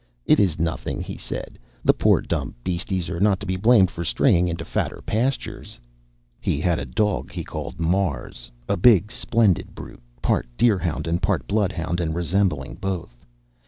"It is nothing," he said; "the poor, dumb beasties are not to be blamed for straying into fatter pastures." He had a dog he called "Mars," a big, splendid brute, part deer hound and part blood hound, and resembling both.